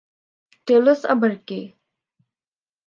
Tales আবার কে?